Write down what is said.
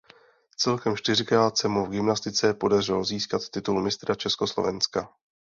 Celkem čtyřikrát se mu v gymnastice podařilo získat titul mistra Československa.